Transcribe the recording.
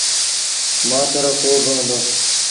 موت رو کوه با هُݩدو ۔